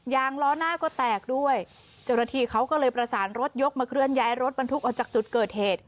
ล้อหน้าก็แตกด้วยเจ้าหน้าที่เขาก็เลยประสานรถยกมาเคลื่อนย้ายรถบรรทุกออกจากจุดเกิดเหตุ